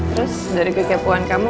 terus dari kekepuan kamu